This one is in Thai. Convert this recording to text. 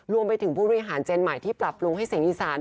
รวมไปถึงผู้บริหารเจนใหม่ที่ปรับปรุงให้เสียงอีสาน